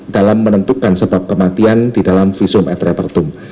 dalam menentukan sebab kematian di dalam visum et repertum